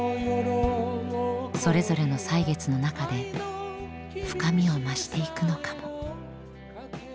それぞれの歳月の中で深みを増していくのかも。